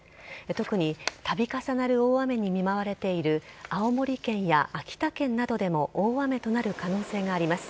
特に度重なる大雨に見舞われている青森県や秋田県などでも大雨となる可能性があります。